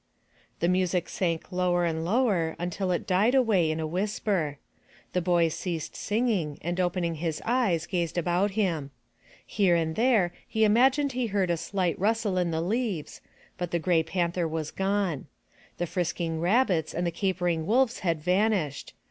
The music sank lower and lower, until it died away in a whisper. The boy ceased singing and opening his eyes gazed about him. Here and there he imagined he heard a slight mstle in the leaves, but the gray panther was gone. The frisking rabbits and the capering wolves had vanished.